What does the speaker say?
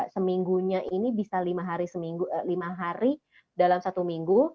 seminggunya ini bisa lima hari dalam satu minggu